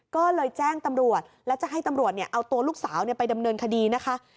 ก็เลยแจ้งตำรวจและจะให้ตำรวจเอาตัวลูกสาวไปดำเนินคดีนะคะ